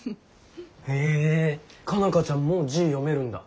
へえ佳奈花ちゃんもう字読めるんだ。